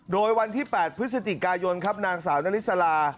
โดยวันที่๘พฤศจิกายนครับนางสาวนาริสลา